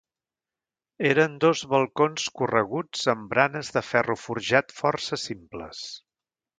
Eren dos balcons correguts amb baranes de ferro forjat força simples.